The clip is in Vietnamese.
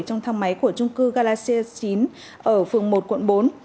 trong thang máy của trung cư galaxy s chín ở phường một quận bốn